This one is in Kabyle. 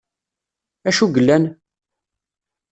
Acu yellan?